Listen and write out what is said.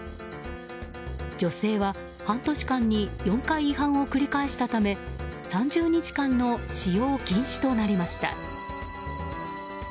女性は半年間に４回違反を繰り返したため３０日間の使用禁止となりました。